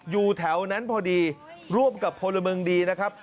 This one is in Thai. อยู่แถวนั้นพอดีร่วมกับพลเมืองดีนะครับ